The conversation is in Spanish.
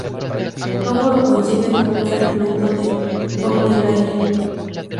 Luego lo coincide con un fragmento de Baudelaire.